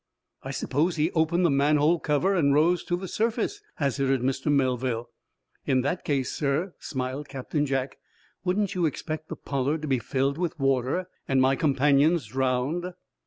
"I suppose he opened the manhole cover, and rose to the surface," hazarded Mr. Melville. "In that case, sir," smiled Captain Jack, "wouldn't you expect the 'Pollard' to be filled with water, and my companions drowned?